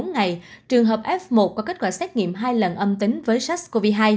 một mươi bốn ngày trường hợp f một có kết quả xét nghiệm hai lần âm tính với sars cov hai